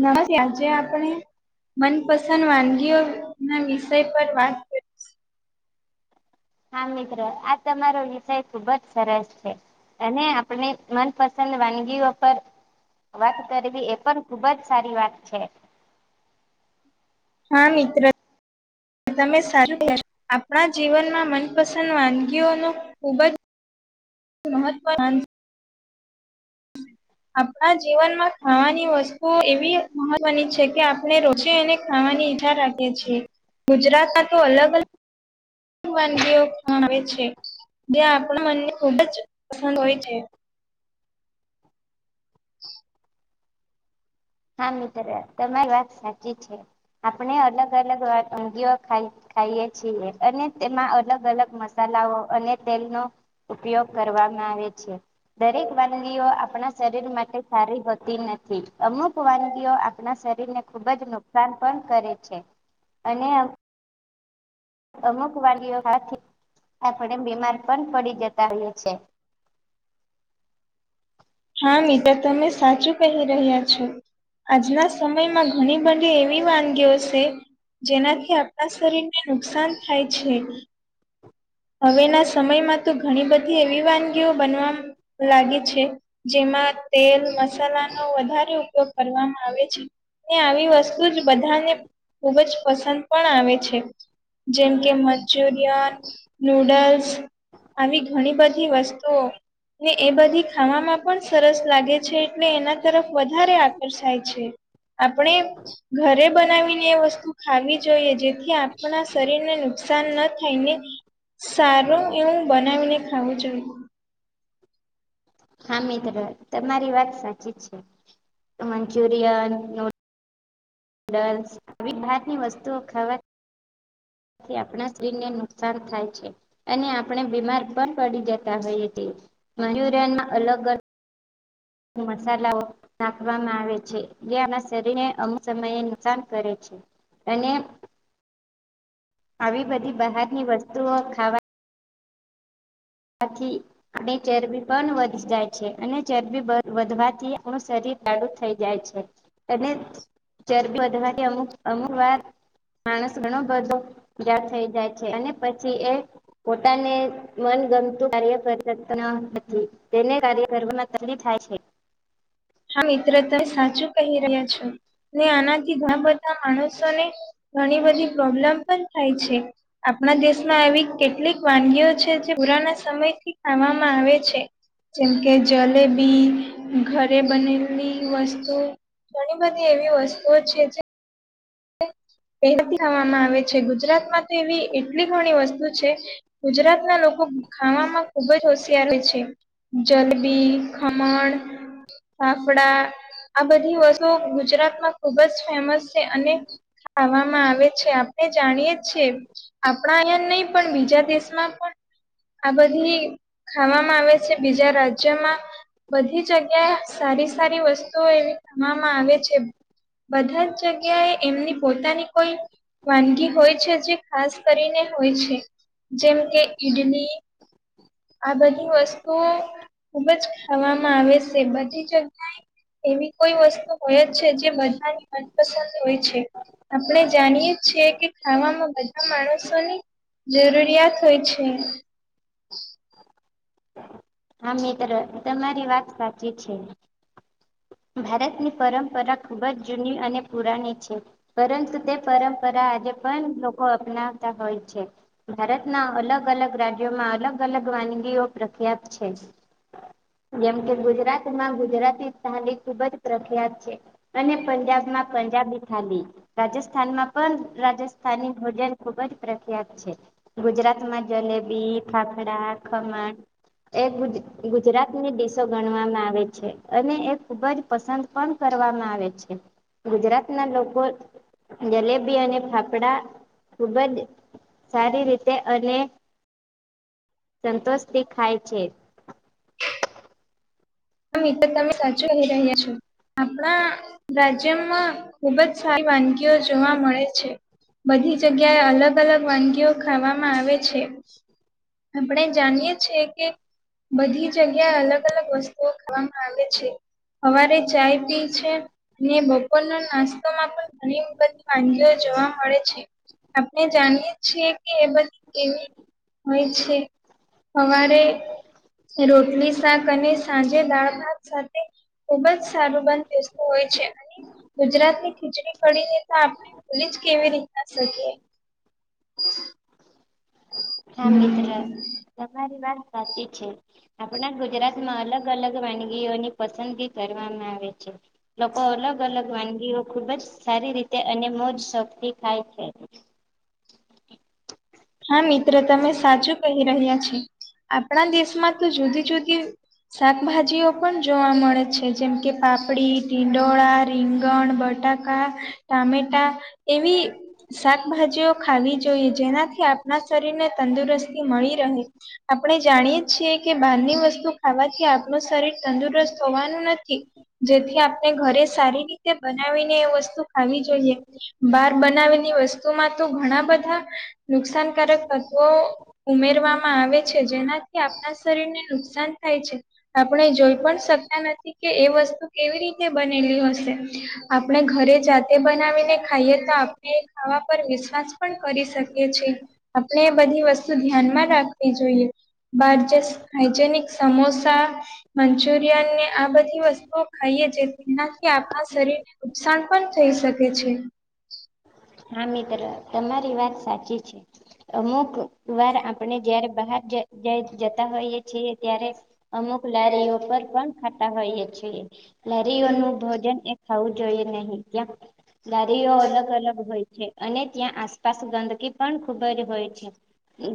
નમસ્ આજે આપણે મનપસંદ વાનગીઓના વિષય પર વાત કરી હા મિત્રો આ તમારો વિષય ખુબ જ સરસ છે. અને આપણે મનપસંદ વાનગીઓ પર વાત કરવી એ પણ ખુબજ સારી વાત છે. હા મિત્ર. તમે સારું આપણા જીવનમાં મનપસંદ વાનગીઓનો ખુબ જ મહત્વ સ્થાન [unintelligible] આપણા જીવનમાં ખાવાની વસ્તુ એવી મહત્વની છે કે, આપણે રોજ અને ખાવાની ઈચ્છા રાખી. છે ગુજરાત ના તો અલગ અલગ. વાનગીઓ આવે છે. જે આપણા મનને ખુબ જ પસંદ હોય છે. [inaudible] હા મિત્ર. તમારી વાત સાચી છે. આપણે અલગ અલગ વાનગીઓ ખાઈ. ખાઈએ છીએ. અને તેમાં અલગ અલગ મસાલાઓ અને તેલનો ઉપયોગ કરવામાં આવે છે. દરેક વાનગીઓ, આપણા શરીર માટે સારી હોતી નથી અમુક. વાનગીઓ આપણા શરીરને ખુબ જ નુકસાન પણ કરે છે. અને અમુક વાનગીઓ આપણે બીમાર પણ પડી જતા હોઈએ છે. હા મિત્ર. તમે સાચું કહી રહ્યા છો. આજના સમયમાં ઘણી બધી એવી વાનગીઓ છે. જેનાથી આપણા શરીર ને નુકસાન થાય છે. હવે ના સમયમાં તો ઘણી બધી એવી વાનગીઓ બનવા. લાગે છે. જેમાં તેલ મસાલાનો વધારે ઉપયોગ. કરવામાં આવે છે. ને આવી વસ્તુ જ બધાને ખુબ જ પસંદ પણ આવે છે. જેમ કે મંચુરિયન. નૂડલ્સ. આવી ઘણી બધી વસ્તુઓ. ને એ બધી ખાવામાં પણ સરસ લાગે છે. એટલે એના તરફ વધારે આકર્ષાય છે. આપણે. ઘરે બનાવીને એ વસ્તુ ખાવી જોઈએ. જેથી આપણા શરીરને નુકસાન ન થાયને. સારું એવું બનાવીને ખાવું જોઈ. હા મિત્ર. તમારી વાત સાચી જ છે. મંચુરિયન નુડલ્સ આવી ભાત ની વસ્તુઓ ખાવાથી તેથી આપણા શરીરને નુકસાન થાય છે. અને આપણે બીમાર પણ પડી જતા હોઈએ છી. મંજુરયનમાં અલગ અલગ. ત મસાલાઓ. નાખવામાં આવે છે. જે આપણા શરીરને અમુક સમયે નુકસાન કરે છે. અને. આવી બધી બહારની વસ્તુઓ ખાવા. આથી આપણી ચરબી પણ વધી જાય છે. અને ચરબી વધવાથી આપણું શરીર જાડું થઈ જાય છે. અને ચરબી વધવાની અમુક અમુક વાર. માણસ ઘણો બધો જાડ થઈ જાય છે. અને પછી એ પોતાને મન ગમ તેને કાર્ય કરવાવામાં તકલી થાય છે. હા મિત્ર. તમે સાચું કહી રહ્યા છો. ને આનાથી ઘણા બધા માણસોને. ઘણી બધી પ્રોબ્લેમ પણ થાય છે. આપણા દેશમાં આવીવી કેટલીક વાનગીઓ છે. જે પુરાના સમયથી ખાવામાં આવે છે. જેમ કે જલેબી ઘરે બનેલું વસ્તુ ઘણી બધી એવી વસ્તુઓ છે. પતીવામાં આવે છે. ગુજરાત માં તો એવી. કેટલી ઘણી વસ્તુ છે. ગુજરાતના લોકો ખાવામાં ખુબ જ હોશિયાર છે. જલેબી, ખમણ. ફાફડા આ બધી વસ્તુઓ ગુજરાતમાં ખુબ જ ફેમસ છે. અને ખાવામાં આવે છે. આપણે જાણીએ છીએ. આપણા અહીંયા નહી, પણ બીજા દેશમાં પણ. આ બધી ખાવામાં આવે છે. બીજા રાજ્યમાં. બધી જગ્યાએ સારી સારી વસ્તુઓ એવી [unintelligible] માં આવે છે. બધા જ જગ્યાએ એમની પોતાની કોઈ વાનગી હોય છે જે ખાસ કરીને હોય છે. જેમ કે ઈડલી આ બધી વસ્તુઓ ખુબ જ ખાવામાં આવે છે. બધી જગ્યાએ એવી કોઈ વસ્તુ હોય જ છે જે બધાની મનપસંદ હોય છે. આપણે જાણીએ છીએ કે ખાવાનુ બધા માણસોની જરૂરિયાત હોય છે. હા મિત્ર તમારી વાત સાચી છે. ભારતની પરંપરા ખુબ જ જૂની અને પુરાની છે. પરંતુ તે પરંપરા આજે પણ લોકો અપનાવતા હોય છે. ભારતના અલગ-અલગ રાજ્યોમાં અલગ-અલગ વાનગીઓ પ્રખ્યાત છે. જેમ કે ગુજરાતમાં ગુજરાતી થાલી ખુબ જ પ્રખ્યાત છે. અને પંજાબમાં પંજાબી થાલી. રાજસ્થાનમાં પણ રાજસ્થાનની ભોજન ખુબ જ પ્રખ્યાત છે. ગુજરાતમાં જલેબી, ફાફડા, ખમણ એ ગુજ્ ગુજરાતની ડિશો ગણવામાં આવે છે અને એ ખુબ જ પસંદ પણ કરવામાં આવે છે ગુજરાતના લોકો જલેબી અને ફાફડા ખુબ જ સારી રીતે અને સંતોષથી ખાય છે. આ મિત્ર. તમે સાચું રહી રહ્યા છો. આપણા રાજ્યમાં ખુબ જ સારી વાનગી ઓ જોવા મળે છે બધી જગ્યાએ અલગ અલગ વાનગીઓ ખાવામાં આવે છે. આપણે જાણીએ કે બધી જગ્યા અલગ અલગ વસ્તુ વામાં આવે છે. હવારે ચાય પી છે. અને બપોરના નાસ્તોમાં પણ ઘણી બધી વાનગીઓ જોવા મળે છે. આપણે જાણીએ છીએ કે એ બધી કેવી હોય છે. હવારે રોટલી શાક અને સાંજે દાળ ભાત સાથે ખુબ જ સારું બંધબેસતું હોય છે અને ગુજરાતની ખીચડી કઢીને તો આપણે ભૂલી જ કેવી રીતના શકીએ? હા મિત્ર. તમારી વાત સાચી છે. આપણા ગુજરાતમાં અલગ અલગ વાનગીઓની પસંદગી કરવામાં આવે છે. લોકો અલગ અલગ વાનગીઓ ખુબ જ સારી રીતે અને મોજ શોખથી ખાય છે. હા મિત્ર. તમે સાચું કહી રહ્યા છે. આપણા દેશમાં તો જુદી જુદી શાકભાજીઓ પણ જોવા મળે છે જેમ કે પાપડી, ટીંડોળા, રીંગણ, બટાકા ઘણાં ટામેટા એવી શાકભાજીઓ ખાવી જોઈએ. જેનાથી કે આપણા શરીરને તંદુરસ્તી મળી રહે. આપણે જાણીએ છીએ કે બહારની વસ્તુ ખાવાથી આપણ શરીર તંદુરસ્ત હોવાનું નથી. જેથી આપણે ઘરે સારી રીતે બનાવીને એ વસ્તુ ખાવી જોઈએ. બાર બનાવેલી વસ્તુમાં તો ઘણા બધા નુકસાનકારક તત્વો ઉમેરવામાં આવે છે. જેનાથી આપણા શરીરને નુકસાન થાય છે. આપણે જોઈ પણ શકતા નથી કે એ વસ્તુ કેવી રીતે બનેલી હશે? આપણે ઘરે જાતે બનાવીને ખાઈએ તો આપણે ખાવા પર વિશ્વાસ પણ કરી શકીએ. છે. આપણે એ બધી વસ્તુ ધ્યાનમાં રાખવી જોઈએ. બારજસ હાઈજેનિક સમોસા મંચુરિયન ને આ બધી વસ્તુઓ ખાઈએ જે તેનાથી આપણા શરીર નુકસાન પણ થઈ શકે છે. હા મિત્ર. તમારી વાત સાચી છે અમુક વાર આપણે જ્યારે બહાર જાય જતા હોઈએ છીએ ત્યારે અમુક લારીઓ પર પણ ખાતા હોઈય છે, લારીઓનું ભોજન થું જોઈએ નહી ત્યાં ગારીઓ અલગ અલગ હોય. છે અને ત્યાં આસપાસ ગંદકી પણ ખુબ જ હોય છે,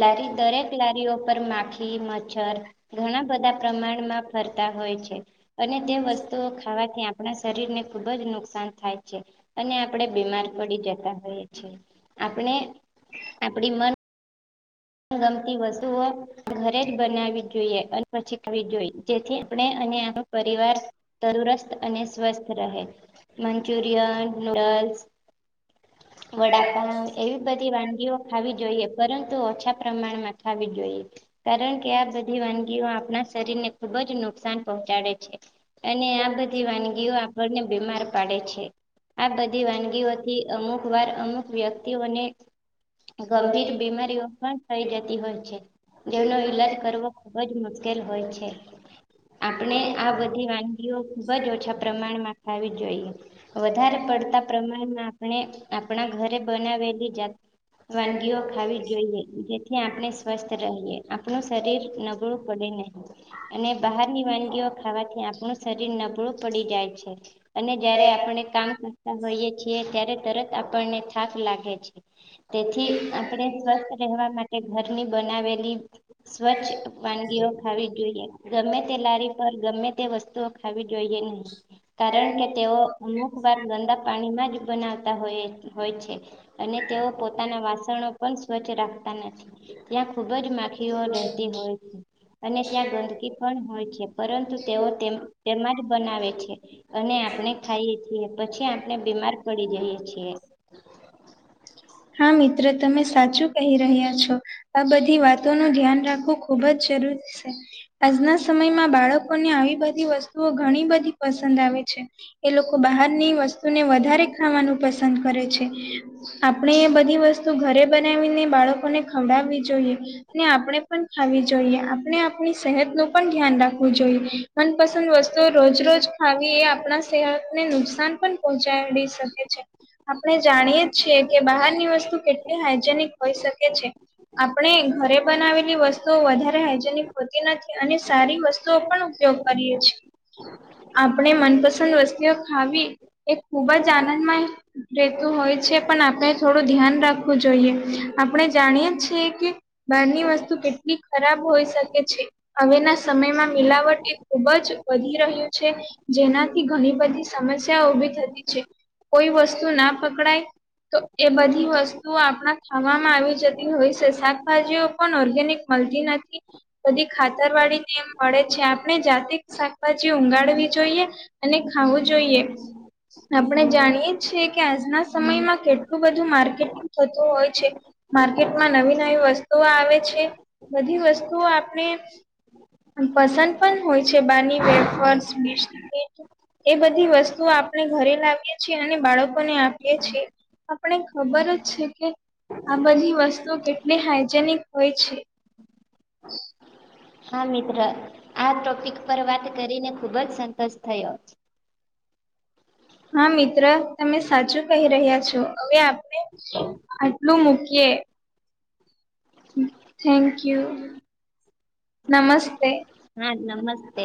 લારી દરેક લારીઓ પર માખી ણા બધા પ્રમાણમાં ફરતા હોય છે, અને તે વસ્તુઓ ખાવાથી. આપણા શરીર ને ખુબ જ નુકસાન થાય છે, અને આપણે બીમાર પડી જતા હોઈએ. આપણે આપડી મન ગમતી વસ્તુઓ ઘરે જ બનાવી જોઈએ અને પછી કર જોઈ જેથી આપણે અને આપ પરિવાર તંદુરસ્ત અને સ્વસ્થ રહે મંચુરિયન નૂડલ્સ વડાપ એવી બધી વાનગીઓ ખાવી જોઈએ પરંતુ ઓછા પ્રમાણમાં થ જોઈએ કારણ કે આ બધી વાનગીઓ આપણા શરીર ને ખુબ જ ન નુકસાન પહોંચાડે છે અને આ બધી વાનગીઓ આપણને બીમાર પાડે છે. આ બધી વાનગીઓથી અમુક વાર અમુક વ્યક્તિઓને ગંભીર બીમારીઓ પણ થઈ જતી હોય છે, જેનો ઈલાજ કરવો ખુબ જ મુશ્કેલ હોય છે. આપણે આ બધી વાંધ ખૂબ જ ઓછા પ્રમાણમાં ખાવી જોઈએ વધારે પડતા પ્રમાણમાં આપણે આપણા ઘરે બનાવેલી જાત વાનગીઓ ખાવી જોઈએ. જેથી આપણે સ્વસ્થ રહીએ આપણું શરીર નબળું પડે નહી. અને બહાર ની વાનગી ખાવાથી આપણું શરીર નબળું પડી જાય છે અને જયારે આપણે કામ કરતા હોઈએ. ત્યારે તરત આપણને થાક લાગે છે, તેથી આપણે વા માટે ઘરની બનાવેલી સ્વચ્છ વાનગીઓ ખાવી જોઈએ ગમે તે લારી પર ગમે તે વસ્તુઓ ખાવી જોઈએ નહી. કારણ કે તેઓ અમુક વાર ગંદા પાણીમાં જ બનાવતા હોય હોય છે. અને તેઓ પોતાના વાસણો પણ સ્વચ્છ રાખતા નથી. ત્યાં ખુબ જ માખીઓ રહેતી હોય છે. અને ત્યાં ગંદકી પણ હોય છે, પરંતુ તેઓ તેમાં જ બનાવે છે. અને આપણે ખાઈએ છીએ, પછી આપણે બીમાર પડી જઈએ છીએ. હા મિત્ર તમે સાચું કહી રહ્યા છો આ બધી વાતો નું ધ્યાન રાખો ખુબ જ જરૂરી છે. આજના સમયમાં બાળકોને આવી બધી વસ્તુઓ ઘણી બધી પસંદ આવે છે. એ લોકો બહારની વસ્તુને વધારે ખાવાનું પસંદ કરે છે. આપણે એ બધી વસ્તુ ઘરે બનાવીને બાળકોને ખવડાવવી જોઈએ અને આપણે પણ ખાવી જોઈએ આપણે આપણી સહેત ન પણ ધ્યાન રાખવું જોઈએ, મનપસંદ વસ્તુઓ રોજ રોજ ખાવી એ આપણા સહે ને નુકસાન પણ પહોંચાડી શકે છે આપણે જાણીએ છીએ. કે બહારની વસ્તુ કેટલી હાઈજેનિક હોઈ શકે છે. આપણે ઘરે બનાવેલી વસ્તુઓ વધારે હાઈજેનિક હોતી નથી, અને સારી વસ્તુ પણ ઉપયોગ કરીએ છીએ. આપણે મનપસંદ વસ્તતીઓ ખાવી એ ખુબ જ આનંદમય રહેતું હોય છે. પણ આપણે થોડું ધ્યાન રાખવું જોઈએ આપણે જાણીએ છીએ કે બારની વસ્તુ કેટલી ખરાબ હોઈ શકે છે. હવેના સમયમાં મિલાવટ એ ખુબ જ વધી રહ્યું છે. જેનાથી ઘણી બધી સમસ્યા ઉભી થતી છે કોઈ વસ્તુ ના પકડાય તો એ બધી વસ્તુ તું આપણા ખાવામાં આવી જતી હોય છે શાકભાજીઓ પણ ઓર્ગેનિક મળતી નથી બધી ખાતરવાડી ને એમ મળે છે આપણે જાતે શાકભાજી ઉગાડવી જોઈએ અને ખાવું જોઈએ આપણે જાણીએ છીએ કે આજના સમયમાં કેટલું બધું માર્કેટિંગ થતું હોય છે માર્કેટમાં નવી નવી વસ્તુઓ આવે છે બધી વસ્તુઓ આપણે પસંદ પણ હોય છે બાર ની વેફર્સ બિસ્કીટ એ બધી વસ્તુ આપણે ઘરે લાવીએ છીએ અને બાળકોને આપીએ છીએ આપને ખબર જ છે કે આ બધી વસ્તુ કેટલી હાઈજેનિક હોય છે હા મિત્ર આ ટોપિક પર વાત કરીને ખુબ જ સંતોષ થયો હા મિત્ર તમે સાચું કહી રહ્યા છો હવે આપણે આટલું મૂકીએ થેન્ક યુ નમસ્તે હા નમસ્તે